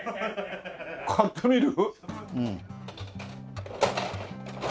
買ってみる？